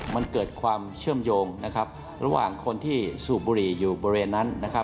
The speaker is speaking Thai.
มันเกิดความเชื่อมโยงระหว่างคนที่สูบบุรีอยู่บริเวณนั้น